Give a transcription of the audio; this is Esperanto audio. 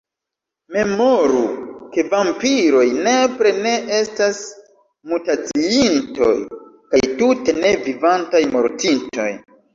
Memoru, ke vampiroj nepre ne estas mutaciintoj, kaj, tute ne, vivantaj mortintoj.